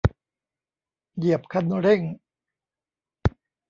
เหยียบคันเร่ง